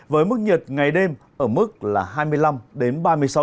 với mức nhiệt ngày đêm ở mức là hai mươi năm đến ba mươi sáu độ